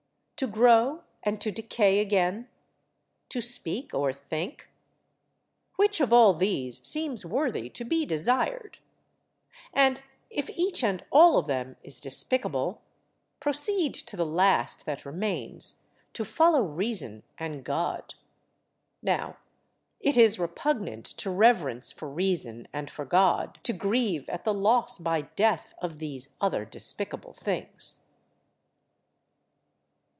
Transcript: To grow and to decay again? To speak or think? Which of all these seems worthy to be desired? And, if each and all of them is despicable, proceed to the last that remains, to follow reason and God. Now, it is repugnant to reverence for reason and for God to grieve at the loss by death of these other despicable things.